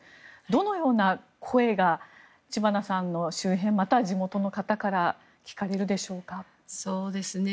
どのような声が知花さんの周辺または地元の方から聞かれるでしょうか。